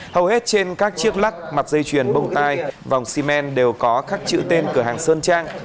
hầu hết trên các chiếc lắc mặt dây chuyền bông tai vòng ximen đều có các chữ tên cửa hàng sơn trang